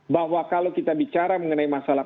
bahwa kalau kita bicara mengenai masalah